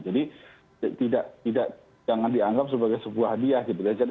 jadi tidak jangan dianggap sebagai sebuah hadiah gitu ya